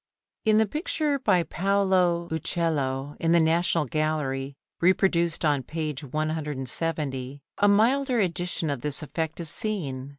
In the picture by Paolo Uccello in the National Gallery, reproduced on page 170 [Transcribers Note: Plate XXXIX], a milder edition of this effect is seen.